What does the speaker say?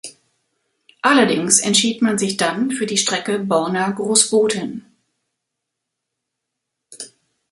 Allerdings entschied man sich dann für die Strecke Borna–Großbothen.